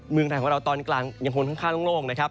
เมืองไทยของเราตอนกลางยังคงข้างโล่งนะครับ